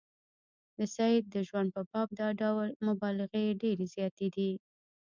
د سید د ژوند په باب دا ډول مبالغې ډېرې زیاتې دي.